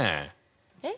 えっ？